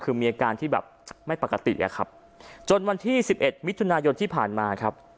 คือมีอาการที่แบบไม่ปกติอะครับจนวันที่สิบเอ็ดมิถุนายนที่ผ่านมาครับ